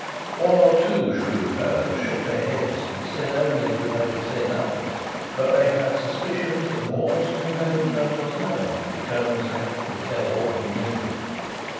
One or two shrewd fellows shook their heads and said only that they would say nothing, but they had suspicions that more was to be known than was known, if Colonel Sapt would tell all he knew.